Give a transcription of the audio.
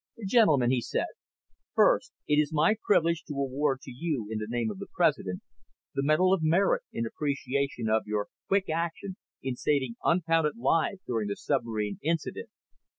"Gentlemen," he said, "first it is my privilege to award to you in the name of the President, the Medal of Merit in appreciation of your quick action in saving uncounted lives during the submarine incident.